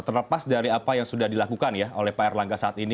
terlepas dari apa yang sudah dilakukan ya oleh pak erlangga saat ini